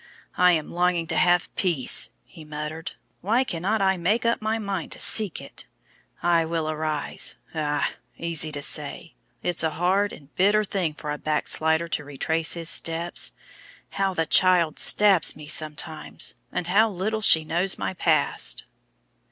"I am longing to have peace," he muttered. "Why cannot I make up my mind to seek it! 'I will arise' ay, easy to say; it's a hard and bitter thing for a backslider to retrace his steps. How the child stabs me sometimes, and how little she knows my past!"